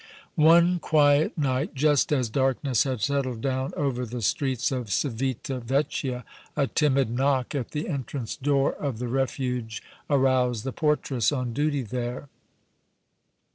One quiet night, just as darkness had settled down over the streets of Civita Vecchia, a timid knock at the entrance door of the Refuge aroused the portress on duty there.